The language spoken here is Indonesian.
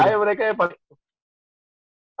itu aja mereka yang